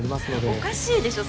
おかしいでしょ？